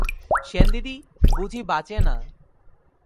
সেনদিদি বুঝি বাঁচে না।